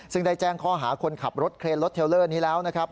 ซึ่งได้แจ้งข้อหาคนขับรถเคลนรถเทลเลอร์นี้แล้วนะครับ